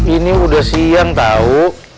ini udah siang tau